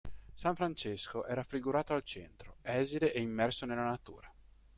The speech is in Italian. San Francesco è raffigurato al centro, esile e immerso nella natura.